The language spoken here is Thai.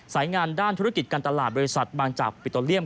สายงานด้านธุรกิจการตลาดบริษัทบางจากปิโตเลียม